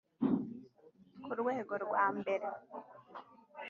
ku rwego rwa mbere